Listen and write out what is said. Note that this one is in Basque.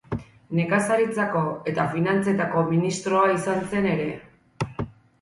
Nekazaritzako eta finantzetako ministroa izan zen ere.